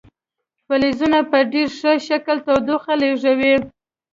فلزونه په ډیر ښه شکل تودوخه لیږدوي.